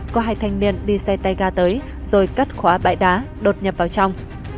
có hai thanh niên đi xe tay ga tới rồi cắt khóa bãi đá đột nhập vào trong